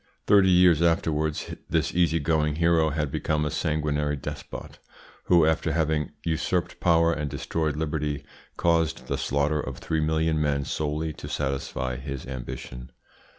Thirty years afterwards this easy going hero had become a sanguinary despot, who, after having usurped power and destroyed liberty, caused the slaughter of three million men solely to satisfy his ambition.